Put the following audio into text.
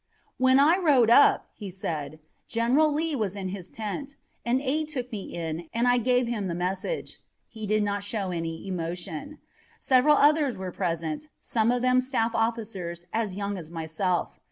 "When I rode up," he said, "General Lee was in his tent. An aide took me in and I gave him the message. He did not show any emotion. Several others were present, some of them staff officers as young as myself.